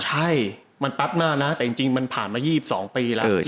ใช่มันปั๊บมากนะแต่จริงมันผ่านมา๒๒ปีแล้ว